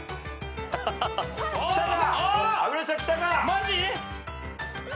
マジ！？